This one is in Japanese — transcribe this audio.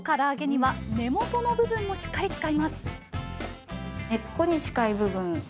はい。